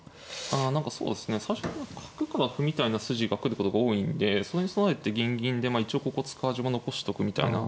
あ何かそうですね最初から角から歩みたいな筋が来ることが多いんでそれに備えて銀銀で一応ここ突く味も残しとくみたいな。